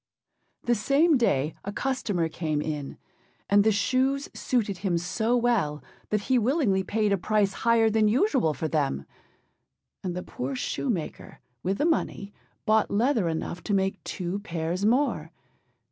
The same day a customer came in, and the shoes suited him so well that he willingly paid a price higher than usual for them; and the poor shoemaker, with the money, bought leather enough to make two pairs more.